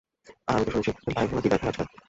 আর আমি তো শুনেছি, লাইভও নাকি দেখায় আজকাল।